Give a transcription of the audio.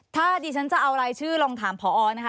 ถ้าดิฉันจะเอารายชื่อลองถามพอนะคะ